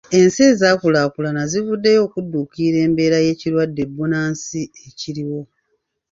Ensi ezaakulaakulana zivuddeyo okudduukirira embeera y'ekirwadde bbunansi ekiriwo.